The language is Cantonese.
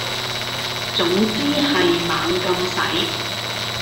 總之係猛咁使